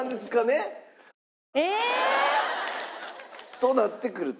となってくると。